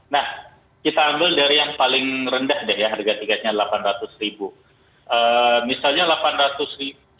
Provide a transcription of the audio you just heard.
nah kita ambil dari yang paling rendah deh ya